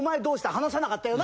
離さなかったよな？」